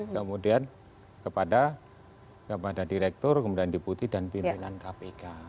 kemudian kepada kepada direktur kemudian diputi dan pimpinan kpk